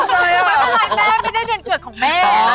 ไม่เป็นไรแม่ไม่ได้เดือนเกิดของแม่